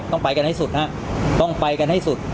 ต้องไปกันให้สุดฮะต้องไปกันให้สุด